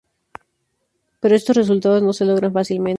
Pero estos resultados no se logran fácilmente.